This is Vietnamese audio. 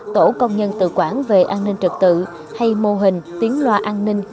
tổ công nhân tự quản về an ninh trực tự hay mô hình tiếng loa an ninh